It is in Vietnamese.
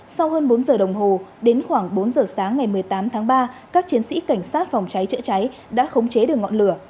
sau hơn bốn giờ đồng hồ đến khoảng bốn giờ sáng ngày một mươi tám tháng ba các chiến sĩ cảnh sát phòng cháy chữa cháy đã khống chế được ngọn lửa